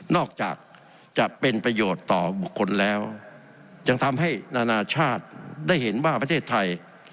อกจากจะเป็นประโยชน์ต่อบุคคลแล้วยังทำให้นานาชาติได้เห็นว่าประเทศไทย